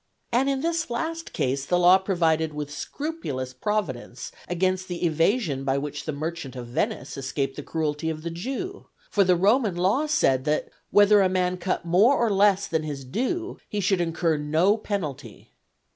And in this last case the law provided with scrupulous providence against the evasion by which the Merchant of Venice escaped the cruelty of the Jew; for the Roman law said that "whether a man cut more or less [than his due], he should incur no penalty."